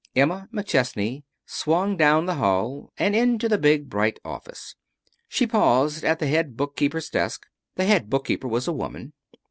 Emma McChesney swung down the hall and into the big, bright office. She paused at the head bookkeeper's desk. The head bookkeeper was a woman.